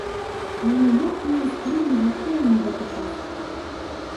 Але як мы іскрым і жартуем ў гэты час!